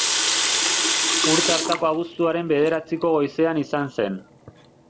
Urte hartako abuztuaren bederatziko goizean izan zen.